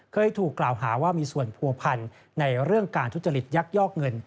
เคยถูกกล่าวหาว่ามีส่วนผัวพันธ์ในเรื่องการทุจริตยักยอกเงิน